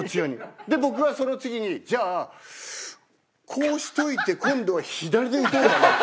で僕はその次にじゃあこうしといて今度は左で打とうかな。